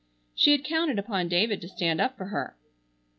She had counted upon David to stand up for her.